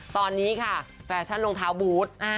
ตอนนี้ค่ะแฟชั่นรองเท้าบูธ